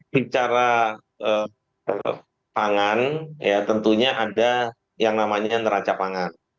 bicara pangan ya tentunya ada yang namanya neraca pangan